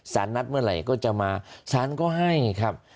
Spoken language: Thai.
สารนัดเมื่อไหร่ก็จะมาสารก็ให้ครับ